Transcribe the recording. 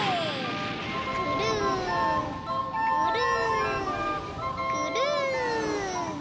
くるんくるんくるん。